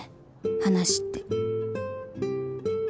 話って」